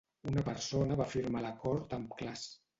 Una persona va firmar l'acord amb Klass.